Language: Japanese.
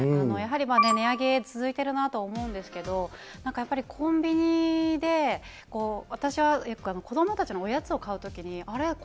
やはり値上げ、続いてるなと思うんですけれども、なんかやっぱり、コンビニで私はやっぱ、子どもたちのおやつを買うときに、あら？